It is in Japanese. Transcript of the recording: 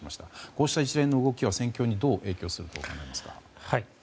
こうした一連の動きは戦況にどう影響すると思いますか？